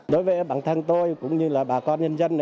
đối với bản thân tôi cũng như là bà con nhân dân